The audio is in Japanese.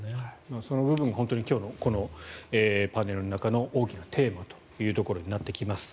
その部分本当に今日のパネルの中の大きなテーマというところになってきます。